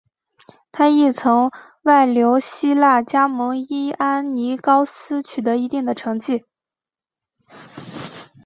他亦曾外流希腊加盟伊安尼高斯取得一定的成绩。